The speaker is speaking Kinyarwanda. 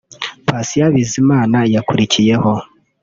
Patient Bizimana yakurikiyeho